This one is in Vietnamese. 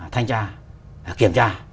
thanh tra kiểm tra